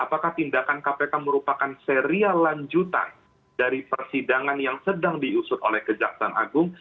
apakah tindakan kpk merupakan serial lanjutan dari persidangan yang sedang diusut oleh kejaksaan agung